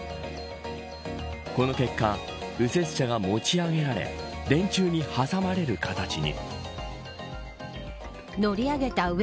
この結果、右折車が持ち上げられ電柱に挟まれる形に。